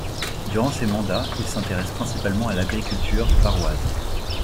Durant ses mandats, il s'intéresse principalement à l'agriculture varoise.